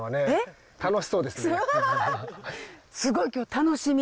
すごい今日楽しみ！